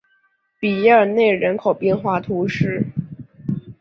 比耶尔内人口变化图示